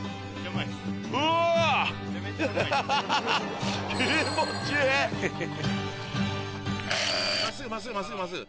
真っすぐ真っすぐ真っすぐ真っすぐ。